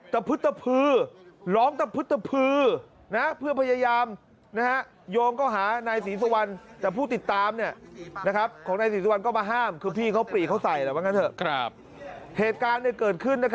ตะพื้ดตะพู่ร้องตะพื้ดตะพื้อ